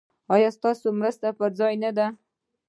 ایا ستاسو مرستې پر ځای نه دي؟